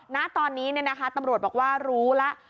ณตอนนี้ตำรวจบอกว่ารู้แล้ว